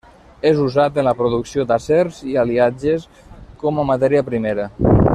És usat en la producció d'acers i aliatges com a matèria primera.